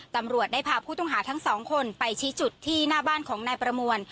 ตำรวจได้พาผู้ต้องหาทั้งสองคนไปชี้จุดที่หน้าบ้านของนายประมวล